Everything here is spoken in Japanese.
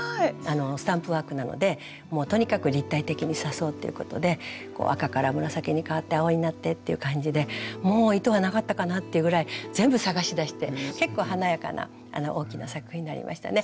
スタンプワークなのでもうとにかく立体的に刺そうっていうことで赤から紫に変わって青になってっていう感じでもう糸がなかったかなっていうぐらい全部探し出して結構華やかな大きな作品になりましたね。